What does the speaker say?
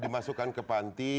dimasukkan ke panti